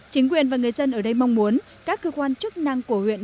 chính quyền và người dân ở đây mong muốn các cơ quan chức năng của huyện